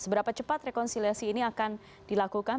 seberapa cepat rekonsiliasi ini akan dilakukan